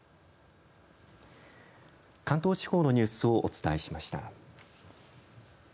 関東地方のニュースをお伝えしました。